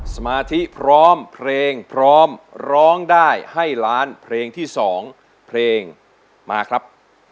สมาธิพร้อมเพลงพร้อมร้องได้ให้ล้านเพลงที่๒เพลงมาครับ